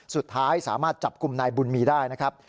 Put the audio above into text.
สุดท้ายสามารถจับกลุ่มนายบุญมีได้นะครับ